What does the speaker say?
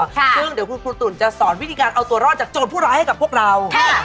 ซึ่งเดี๋ยวคุณครูตุ๋นจะสอนวิธีการเอาตัวรอดจากโจรผู้ร้ายให้กับพวกเรา